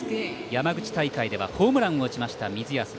山口大会ではホームランを打ちました、水安。